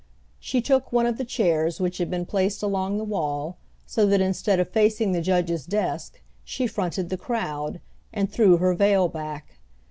She took one of the chairs which had been placed along the wall, so that instead of facing the judge's desk, she fronted the crowd, and threw her veil back.